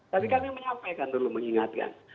tapi kami menyampaikan dulu mengingatkan